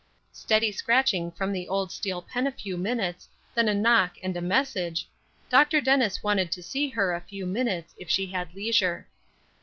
Steady scratching from the old steel pen a few minutes, then a knock and a message: "Dr. Dennis wanted to see her a few minutes, if she had leisure."